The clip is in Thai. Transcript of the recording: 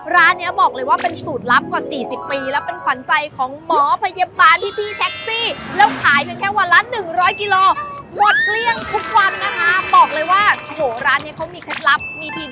ร้านเนี่ยบอกเลยว่าเป็นสูตรลับกว่า๔๐ปีแล้วเป็นขวัญใจของหมอพยาบาลที่ที่แท็กซี่